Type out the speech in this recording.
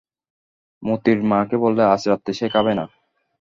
মোতির মাকে বললে, আজ রাত্রে সে খাবে না।